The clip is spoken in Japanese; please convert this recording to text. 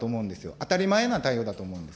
当たり前な対応だと思うんです。